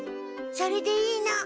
それでいいの。